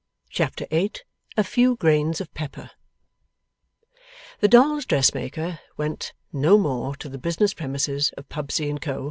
Chapter 8 A FEW GRAINS OF PEPPER The dolls' dressmaker went no more to the business premises of Pubsey and Co.